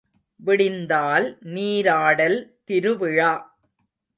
விடிந்தால் நீராடல் திருவிழா.